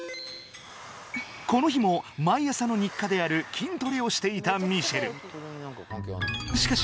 この日も毎朝の日課である筋トレをしていたミシェルしかし